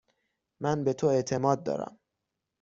من به تو اعتماد دارم.